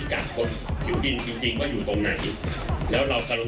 วันนี้เราจะไปเดินแถวนั้น